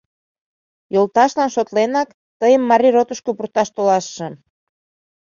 Йолташлан шотленак, тыйым Марий ротышко пурташ толашышым.